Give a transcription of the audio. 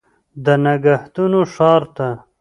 د نګهتونو ښار ته